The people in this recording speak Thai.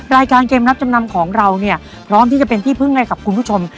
รายการเกมรับจำนำของเราเนี่ยพร้อมที่จะเป็นที่พึ่งให้กับคุณผู้ชม